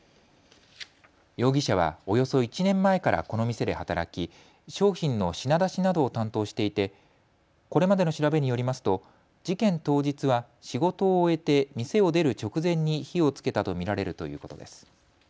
容疑者はおよそ１年前からこの店で働き商品の品出しなどを担当していてこれまでの調べによりますと事件当日は仕事を終えて店を出る直前に火をつけたと見られるということです。